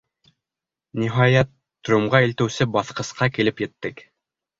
Ниһайәт, трюмға илтеүсе баҫҡысҡа килеп еттек.